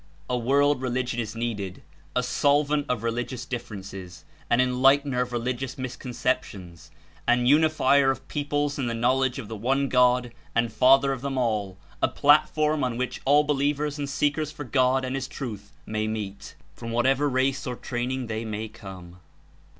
A world rellglon Is needed, a solvent of religious differences, an enllghtener of religious misconceptions, an unifier of peoples In the knowledge of the One God and Father of them all, a platform on which all believers and seekers for God and His truth may meet, from whatever race or training they may [i] come.